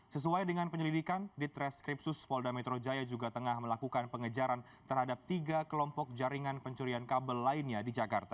sesuai dengan penyelidikan di treskripsus polda metro jaya juga tengah melakukan pengejaran terhadap tiga kelompok jaringan pencurian kabel lainnya di jakarta